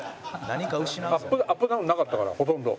アップダウンなかったからほとんど。